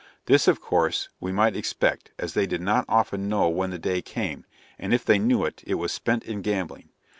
This, of course, we might expect, as they did not often know when the day came, and if they knew it, it was spent in gambling.